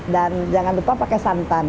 dan jangan lupa pakai santan